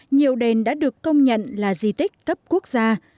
nhiều đền đã được công nhận là di tích cấp quốc gia